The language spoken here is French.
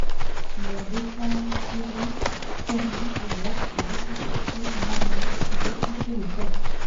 Leur défense héroïque permit aux Grecs de reconstituer une armée pour repousser les Perses.